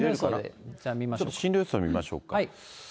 ちょっと進路予想見ましょうか。